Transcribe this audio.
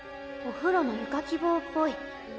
お風呂の湯かき棒っぽい。